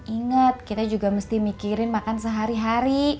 ingat kita juga mesti mikirin makan sehari hari